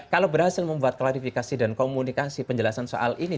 kalau berhasil membuat klarifikasi dan komunikasi penjelasan soal ini